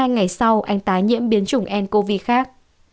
một trăm bốn mươi hai ngày sau anh tái nhiễm biến chủng ncov khác